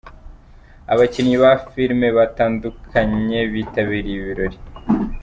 Abakinnyi ba filime batandukanye bitabiriye ibi birori.